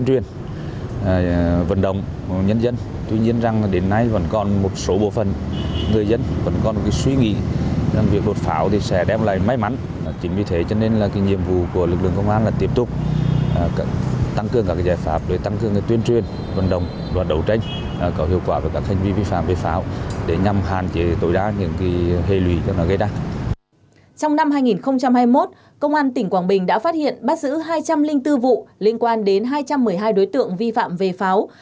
trong năm hai nghìn hai mươi một công an tỉnh quảng bình đã phát hiện bắt giữ hai trăm linh bốn vụ liên quan đến hai trăm một mươi hai đối tượng vi phạm về pháo